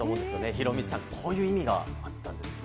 ヒロミさん、こういう意味があったんですね。